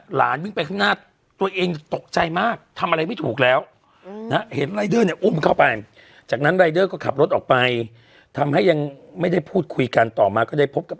หลานวิ่งไปข้างหน้าตัวเองตกใจมาก